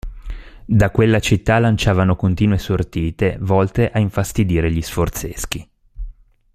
Da quella città lanciavano continue sortite volte a infastidire gli sforzeschi.